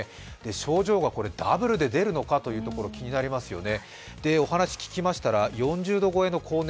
症状がダブルで出るのかというところが気になりますよね。